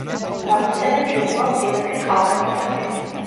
გამოსცემენ ჟურნალს „სინათლე ხალხებისათვის“